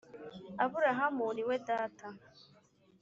Aburahamu ni we data